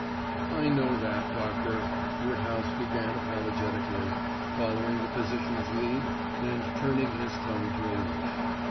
"I know that, Doctor," Woodhouse began apologetically, following the physician's lead and turning his tongue to English.